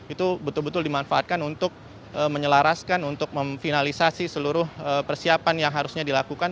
itu betul betul dimanfaatkan untuk menyelaraskan untuk memfinalisasi seluruh persiapan yang harusnya dilakukan